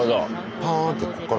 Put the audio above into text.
パーンってこっから。